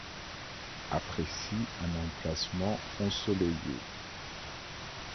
Apprécient un emplacement ensoleillé.